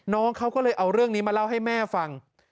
น้องเขาก็เลยเอาเรื่องนี้มาเล่าให้แม่ฟัง